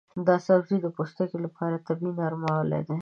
دا سبزی د پوستکي لپاره طبیعي نرموالی لري.